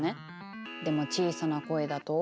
でも小さな声だと。